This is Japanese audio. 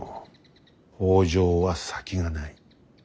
北条は先がない。